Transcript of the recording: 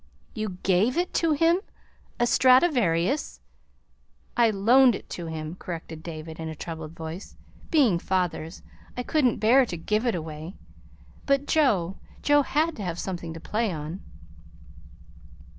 "You GAVE it to him a Stradivarius!" "I loaned it to him," corrected David, in a troubled voice. "Being father's, I couldn't bear to give it away. But Joe Joe had to have something to play on."